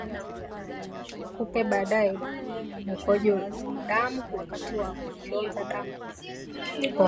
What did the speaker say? Kupe baadaye husambaza ugonjwa wa mkojo damu wakati wa kufyonza damu kwa mnyama mwingine